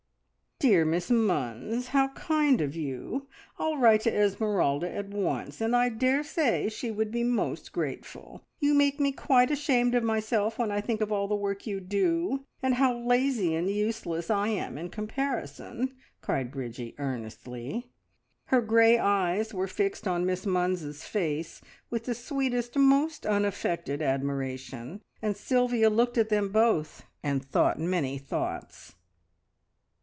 "Dear Miss Munns, how kind of you! I'll write to Esmeralda at once, and I daresay she would be most grateful. You make me quite ashamed of myself when I think of all the work you do, and how lazy and useless I am in comparison!" cried Bridgie earnestly. Her grey eyes were fixed on Miss Munns's face with the sweetest, most unaffected admiration, and Sylvia looked at them both and thought many thoughts.